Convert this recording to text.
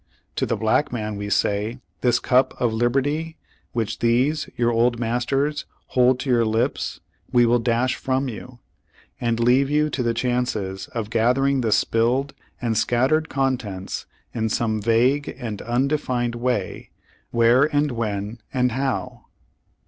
To the black man we say, this cup of liberty, which these, your old masters, hold to your lii>s we will dash from you, and leave you to the chances of gath ering the spilled and scattered contents in some vague and undefined way where and when and how.